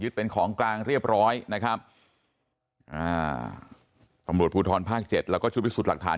เป็นของกลางเรียบร้อยนะครับอ่าตำรวจภูทรภาคเจ็ดแล้วก็ชุดพิสูจน์หลักฐาน